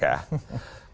pak harto berfikir